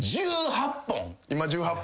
今１８本。